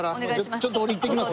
ちょっと俺行ってきます。